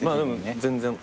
全然。